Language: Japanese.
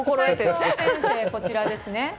齋藤先生はこちらですね。